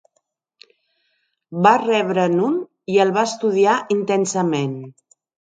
Va rebre'n un i el va estudiar intensament.